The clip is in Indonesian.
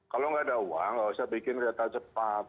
kalau nggak ada uang nggak usah bikin kereta cepat